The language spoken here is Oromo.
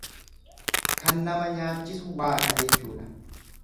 Kan nama nyaachisu Waaqa jechuudha.